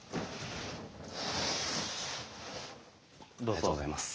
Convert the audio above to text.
ありがとうございます。